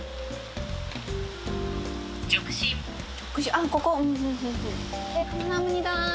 あぁここ。